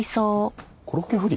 コロッケ不倫？